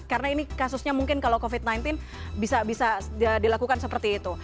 karena ini kasusnya mungkin kalau covid sembilan belas bisa dilakukan seperti itu